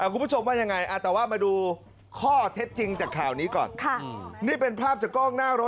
คุณผู้ชมว่าอย่างไรแต่ว่ามาดูข้อเท็จจริงจากแถวนี้ก่อน